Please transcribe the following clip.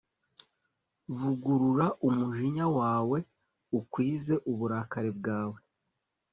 vugurura umujinya wawe, ukwize uburakari bwawe